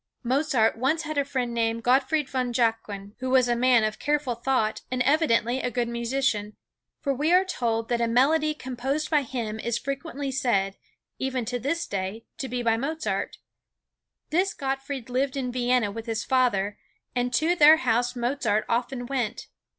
_ Mozart once had a friend named Gottfried von Jacquin, who was a man of careful thought, and evidently a good musician, for we are told that a melody composed by him is frequently said, even to this day, to be by Mozart. This Gottfried lived in Vienna with his father, and to their house Mozart often went.